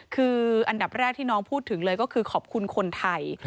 คืออันดับแรกที่น้องพูดถึงเลยก็คือขอบคุณคนไทย